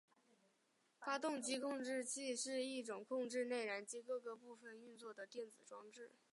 发动机控制器是一种控制内燃机各个部分运作的电子装置。